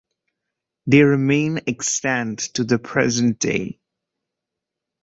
They remain extant to the present day.